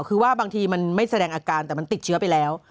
คือว่าบางทีมันไม่แสดงอาการแต่มันติดเชื้อไปแล้ว